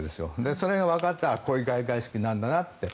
それがわかったこういう開会式になるんだなと。